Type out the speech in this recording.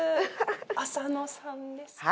浅野さんですか？